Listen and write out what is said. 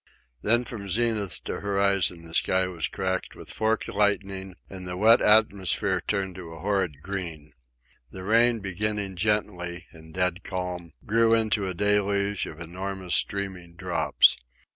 Then from zenith to horizon the sky was cracked with forked lightning, and the wet atmosphere turned to a horrid green. The rain, beginning gently, in dead calm, grew into a deluge of enormous streaming drops.